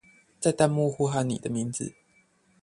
在彈幕呼喊你的名字